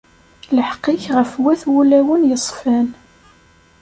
Lḥeqq-ik ɣef wat wulawen yeṣfan.